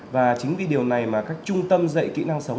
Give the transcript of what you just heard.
và chính vì điều này mà các trung tâm dạy kỹ năng sống